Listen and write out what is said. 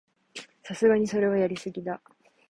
さすがにそれはやりすぎだ